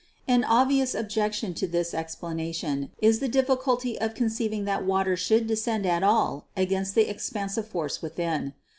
An obvious objection to this explanation is the difficulty of conceiving that water should descend at all against the expansive force within.